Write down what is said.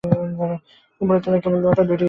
উপরের তলায় কেবল দুটিমাত্র ঘর।